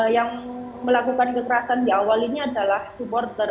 yang melakukan kekerasan di awal ini adalah supporter